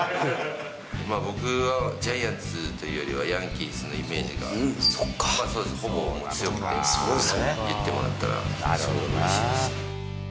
僕はジャイアンツというよりはヤンキースのイメージが強くて、言ってもらえたら、すごくうれしいです。